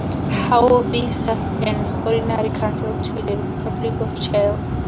Haughey served as an Honorary Consul to the Republic of Chile.